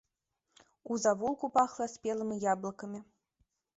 У завулку пахла спелымі яблыкамі.